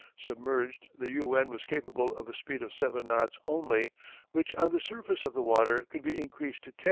Submerged the "U 1" was capable of a speed of 7 knots only, which on the surface of the water could be increased to 10.